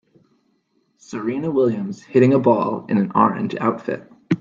Serena Williams hitting a ball in an orange outfit